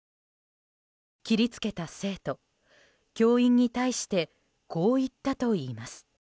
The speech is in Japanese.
切り付けた生徒、教員に対してこう言ったといいます。